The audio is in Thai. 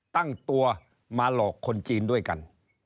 ตั้งตัวมาหลอกคนจีนด้วยกัน